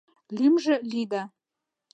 Лӱмжӧ — Лида.